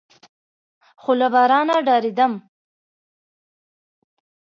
خو له بارانه ډارېدم.